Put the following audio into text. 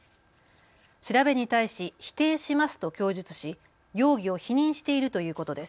調べに対し否定しますと供述し容疑を否認しているということです。